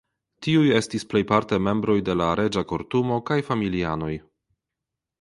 Tiuj estis plejparte membroj de la reĝa kortumo kaj familianoj.